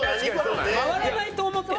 回らないと思ってる？